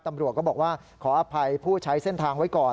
ตำรวจก็บอกว่าขออภัยผู้ใช้เส้นทางไว้ก่อน